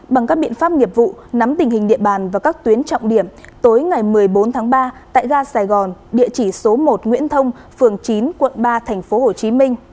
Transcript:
bằng các biện pháp nghiệp vụ nắm tình hình địa bàn và các tuyến trọng điểm tối ngày một mươi bốn tháng ba tại ga sài gòn địa chỉ số một nguyễn thông phường chín quận ba tp hcm